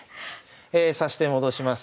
指し手戻します。